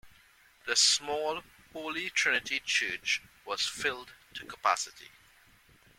The small Holy Trinity church was filled to capacity.